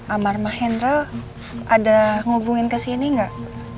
amar mahendra ada ngubungin ke sini gak